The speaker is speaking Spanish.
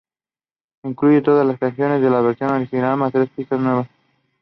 Incluye todas las canciones de la versión original más tres pistas nuevas